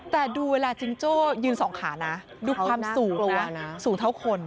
แต่ดูเวลาจิงโจ้ยืนสองขานะดูความสูงหรือว่าสูงเท่าคน